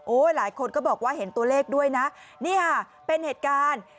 หลายคนก็บอกว่าเห็นตัวเลขด้วยนะนี่ค่ะเป็นเหตุการณ์